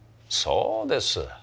そうです。